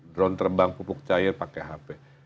drone terbang pupuk cair pakai hp